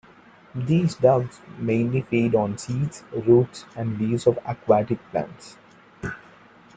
These ducks mainly feed on seeds, roots, and leaves of aquatic plants.